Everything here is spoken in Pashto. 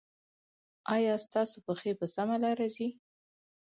ایا ستاسو پښې په سمه لار ځي؟